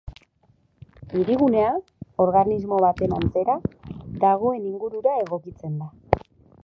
Hirigunea, organismo baten antzera, dagoen ingurura egokitzen da.